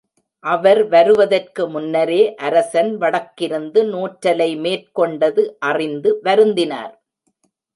அவர் வருவதற்கு முன்னரே அரசன் வடக்கிருந்து நோற்றலை மேற்கொண்டது அறிந்து வருந்தினார்.